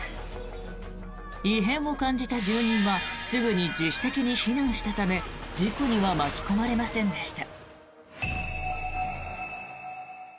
異変を感じた住人はすぐに自主的に避難したため事故には巻き込まれせんでした。